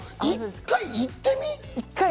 一回行ってみ？